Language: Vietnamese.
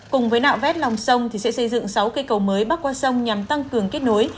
cùng với nạo vét lòng sông sẽ xây dựng sáu cây cầu mới bắc qua sông nhằm tăng cường kết nối